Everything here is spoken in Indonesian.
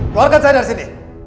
keluarkan saya dari sini